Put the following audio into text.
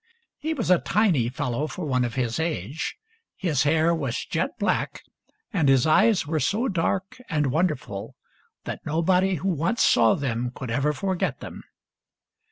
He was a tiny fellow for one of his age. His hair was jet black, and his eyes were so dark and wonderful that nobody who once saw them could ever forget them.